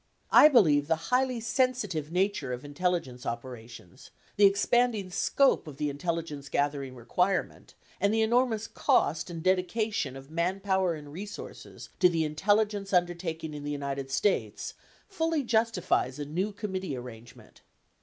I believe the highly sensitive nature of intelligence opera tions, the expanding scope of the intelligence gathering requirement, and the enormous cost and dedication of manpower and resources to the intelligence undertaking in the United States, fully justifies a new committee arrangement.